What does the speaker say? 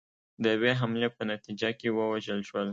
د یوې حملې په نتیجه کې ووژل شول.